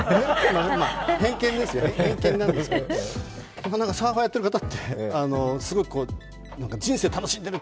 偏見ですよ、偏見なんですけどサーファーやってる方って人生楽しんでる！